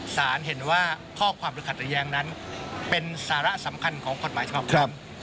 สารเห็นว่าข้อความหรือขัดระแย้งนั้นเป็นสาระสำคัญของกฎหมายฉบับผม